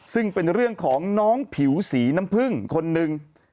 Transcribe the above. ซึ่งเป็นเรื่องของน้องผิวสีน้ำผึ้งคนหนึ่ง